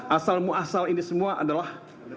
asal muasal ini semua adalah